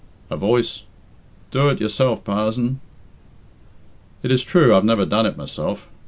(A voice "Do it yourself, parzon.") "It is true I've never done it myself.